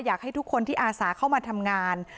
อยากให้ทุกคนที่อาสาเข้ามาทำงาน